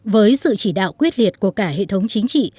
với sự chỉ đạo quyết liệt của cả hệ thống chính trị